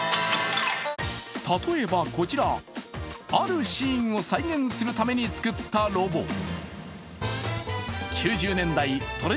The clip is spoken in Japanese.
例えば、こちら、あるシーンを再現するために作ったロボ。